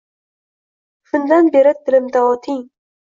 Shundan beri tilimda oting